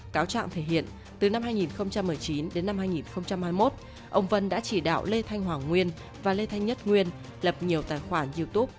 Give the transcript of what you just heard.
cáo trạng thể hiện từ năm hai nghìn một mươi chín đến năm hai nghìn hai mươi một ông vân đã chỉ đạo lê thanh hoàng nguyên và lê thanh nhất nguyên lập nhiều tài khoản youtube